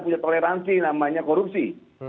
punya toleransi namanya korupsi